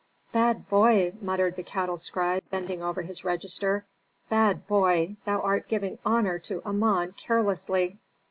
"Bad boy!" muttered the cattle scribe, bending over his register. "Bad boy! thou art giving honor to Amon carelessly."